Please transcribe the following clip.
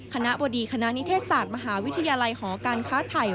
คณะบดีคณะนิเทศศาสตร์มหาวิทยาลัยหอการค้าไทย